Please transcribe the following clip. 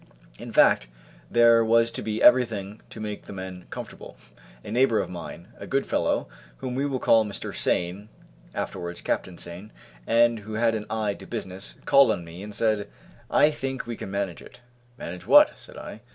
In fact, there was to be everything to make the men comfortable. A neighbour of mine, a good fellow, whom we will call Mr. Sain (afterwards Captain Sain), and who had an eye to business, called on me and said, "I think we can manage it." "Manage what?" said I.